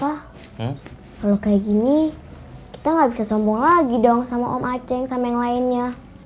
kalau kayak gini kita gak bisa sombong lagi dong sama om aceh sama yang lainnya